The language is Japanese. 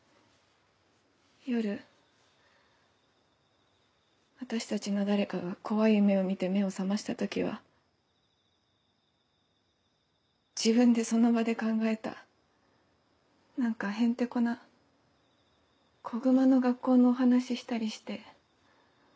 夜私たちの誰かが怖い夢を見て目を覚ました時は自分でその場で考えた何かへんてこな子グマの学校のお話したりして。